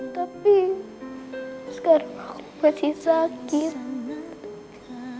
tapi sekarang aku masih sakit